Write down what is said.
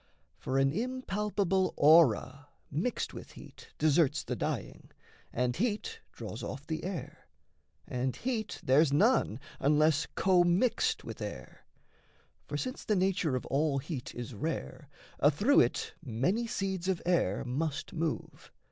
For an impalpable aura, mixed with heat, Deserts the dying, and heat draws off the air; And heat there's none, unless commixed with air: For, since the nature of all heat is rare, Athrough it many seeds of air must move.